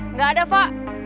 nggak ada fa